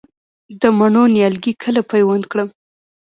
د مڼو نیالګي کله پیوند کړم؟